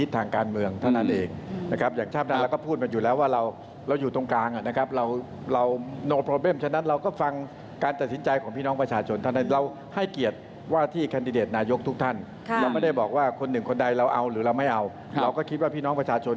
หรือเราไม่เอาเราก็คิดว่าพี่น้องประชาชน